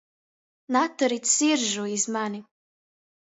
Naturit siržu iz mani!